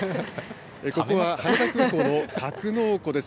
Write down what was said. ここは羽田空港の格納庫です。